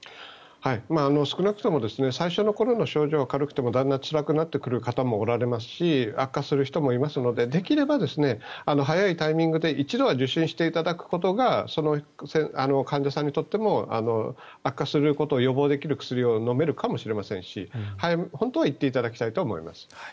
少なくとも最初の頃の症状が軽くてもだんだんつらくなってくる方もおられますし悪化する人もいますのでできれば早いタイミングで一度は受診していただくことが患者さんにとっても悪化することを予防することができる薬を飲めるかもしれませんし本当は行っていただきたいと思います。